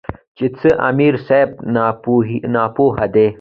چې ځه امیر صېب ناپوهَ دے ـ